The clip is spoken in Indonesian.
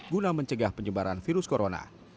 guna mencegah penyebaran virus corona